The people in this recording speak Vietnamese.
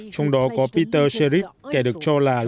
trong đó có peter sharif kẻ được cho là